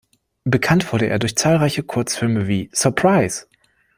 Bekannt wurde er durch zahlreiche Kurzfilme, wie "Surprise!